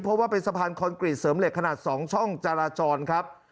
เพราะว่าเป็นสะพานคอนกรีตเสริมเหล็กขนาด๒ช่องจราจรครับ